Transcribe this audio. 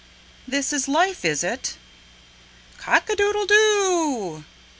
This is life, is it? Cock a doodle do!